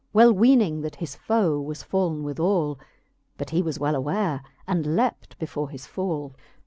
Well weening, that his foe was fake withallr But he was well aware, and leapt before his falL XIII.